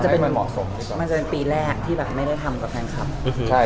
เป็นปีแรกที่ไม่ได้ทำกับแฟนคลับ